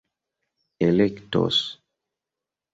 elektos